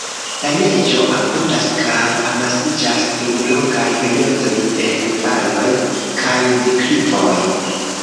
La neĝo abundas kaj amasiĝas dum longaj periodoj en valoj kaj deklivoj.